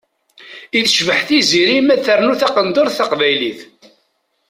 I tecbeḥ Tiziri ma ternu taqendurt taqbaylit.